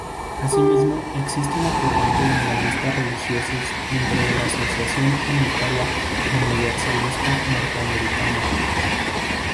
Asimismo, existe una corriente de humanistas religiosos dentro de la Asociación Unitaria Universalista norteamericana.